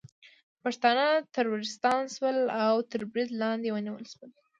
پښتانه ترورستان شول او تر برید لاندې ونیول شول